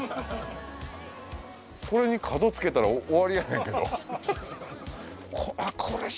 これに角つけたら終わりやねんけど。